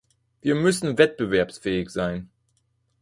Wir müssen wettbewerbsfähig sein.